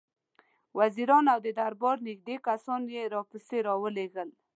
وزیران او د دربار نېږدې کسان یې راپسې را ولېږل.